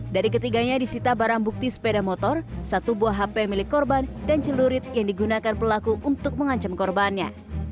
dari ketiganya disita barang bukti sepeda motor satu buah hp milik korban dan celurit yang digunakan pelaku untuk mengancam korbannya